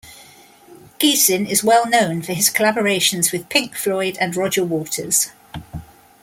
Geesin is well known for his collaborations with Pink Floyd and Roger Waters.